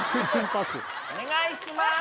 お願いします。